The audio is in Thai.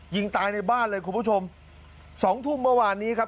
ยิงตายในบ้านเลยคุณผู้ชมสองทุ่มเมื่อวานนี้ครับ